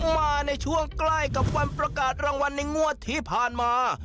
มาในช่วงใกล้กับวันประกาศรางวัลในงวดที่ผ่านมา